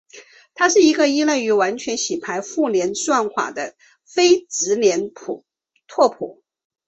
它是一个依赖于完美洗牌互联算法的非直连拓扑。